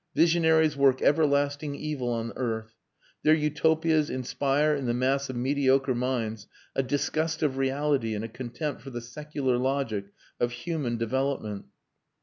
Visionaries work everlasting evil on earth. Their Utopias inspire in the mass of mediocre minds a disgust of reality and a contempt for the secular logic of human development."